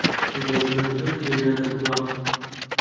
ڕزگار زۆر خێرا دەخوات.